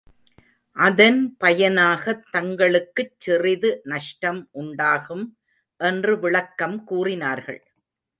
அதன் பயனாய்த் தங்களுக்குச் சிறிது நஷ்டம் உண்டாகும் என்று விளக்கம் கூறினார்கள்.